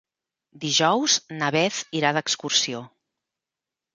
Dijous na Beth irà d'excursió.